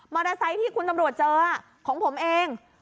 มอเตอร์ไซค์ที่คุณตำรวจเจอของผมเอง